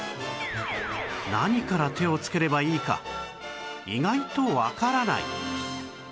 何から手をつければいいか意外とわからない